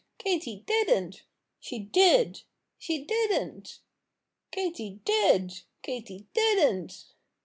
"Katy didn't!" "She did!" "She didn't!" "Katy did!" "Katy didn't!"